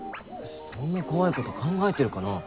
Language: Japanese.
そんな怖いこと考えてるかな？